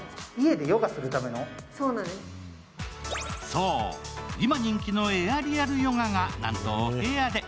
そう、今、人気のエアリアルヨガが、なんとお部屋で。